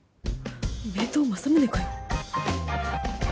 名刀正宗かよ。